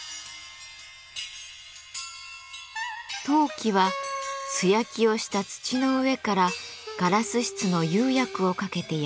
陶器は素焼きをした土の上からガラス質の釉薬をかけて焼いたもの。